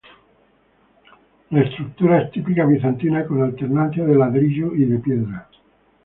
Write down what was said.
La estructura es típica bizantina con alternancia de ladrillo y piedra.